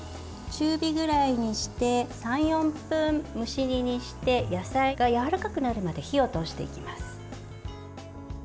中火ぐらいにして３４分蒸し煮にして野菜がやわらかくなるまで火を通していきます。